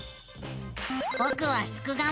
ぼくはすくがミ。